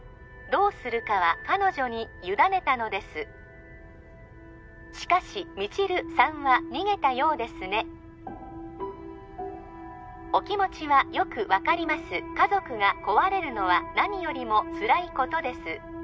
どうするかは彼女に委ねたのですしかし未知留さんは逃げたようですねお気持ちはよく分かります家族が壊れるのは何よりもつらいことです